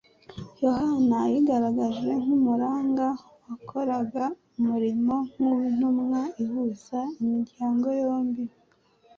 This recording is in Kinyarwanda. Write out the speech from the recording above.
Yohana yigaragaje nk’umuranga wakoraga umurimo nk’uw’intumwa ihuza imiryango yombi,